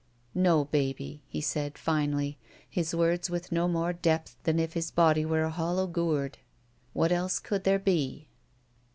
"No, baby," he said, finally, his words with no more depth than if his body were a hollow gourd. •'What else could there be?"